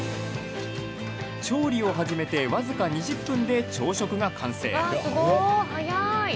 調理を始めて、僅か２０分で朝食が完成。